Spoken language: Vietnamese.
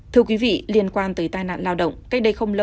thưa quý vị liên quan tới tai nạn lao động